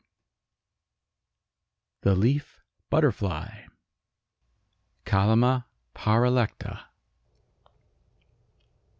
] THE LEAF BUTTERFLY. (Kallima paralekta.)